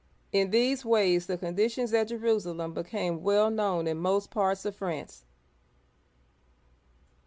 In these ways the conditions at Jerusalem became well known in most parts of France.